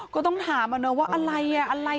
ก็ต้องถามว่าอะไร